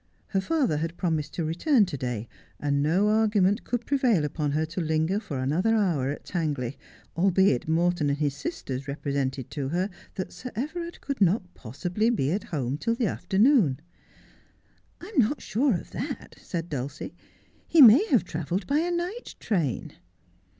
Her father had promised to return to day, and no argument could prevail upon her to linger for another hour at Tangley, albeit Morton and his sisters represented to her that Sir Everard could not possibly be at home till the afternoon. ' I am not sure of that,' said Dulcie ;' he may have travelled by a night train.'